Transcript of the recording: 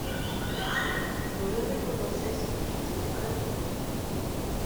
¿ no le reconoces? es tu padre.